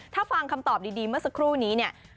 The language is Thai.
ถ้าฟังคำตอบดีเมื่อสักครู่นี้เนี่ย